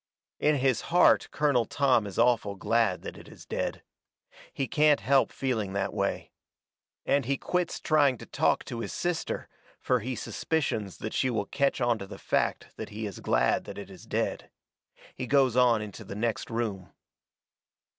In his heart Colonel Tom is awful glad that it is dead. He can't help feeling that way. And he quits trying to talk to his sister, fur he suspicions that she will ketch onto the fact that he is glad that it is dead. He goes on into the next room.